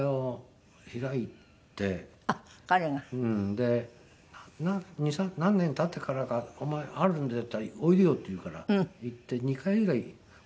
で何年経ってからか「お前あるんだよ」って「おいでよ」って言うから行って２回ぐらいお邪魔した事ありますけども。